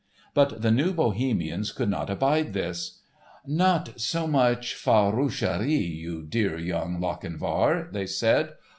But the New Bohemians could not abide this. "Not so much faroucherie, you dear young Lochinvar!" they said.